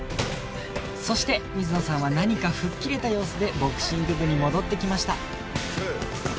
そして水野さんは何か吹っ切れた様子でボクシング部に戻ってきました